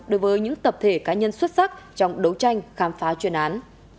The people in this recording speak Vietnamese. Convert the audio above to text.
đối với những tập thể cá nhân xuất sắc trong đấu tranh khám phá chuyên án